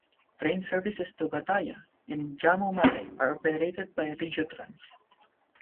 Train services to Gataia and Jamu Mare are operated by Regiotrans.